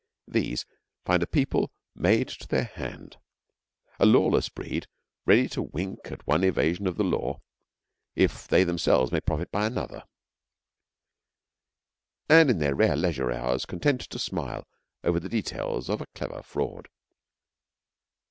These find a people made to their hand a lawless breed ready to wink at one evasion of the law if they themselves may profit by another, and in their rare leisure hours content to smile over the details of a clever fraud.